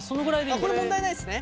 これ問題ないですね？